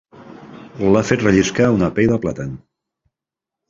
L'ha fet relliscar una pell de plàtan.